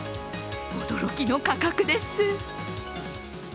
驚きの価格です。